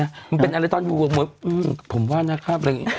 มันเป็นอะไรตอนอยู่กับหมดผมว่านะครับอะไรอย่างนี้